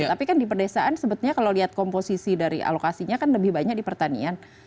tapi kan di pedesaan sebetulnya kalau lihat komposisi dari alokasinya kan lebih banyak di pertanian